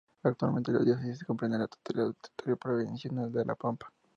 Actualmente, la diócesis comprende la totalidad del territorio provincial de La Pampa.